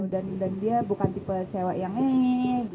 dan dia bukan tipe cewek yang nge nge